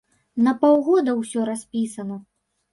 На паўгода ўсё распісана.